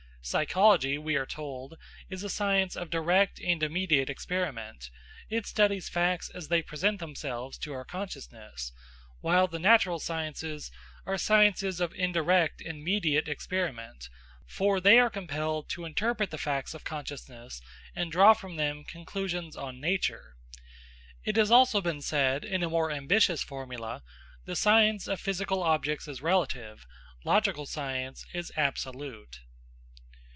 Psychology, we are told, is a science of direct and immediate experiment; it studies facts as they present themselves to our consciousness, while the natural sciences are sciences of indirect and mediate experiment, for they are compelled to interpret the facts of consciousness and draw from them conclusions on nature. It has also been said, in a more ambitious formula, "The science of physical objects is relative; logical science is absolute."